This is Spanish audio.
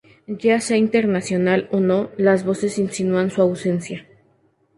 Ya sea intencional o no, las voces insinúan su ausencia.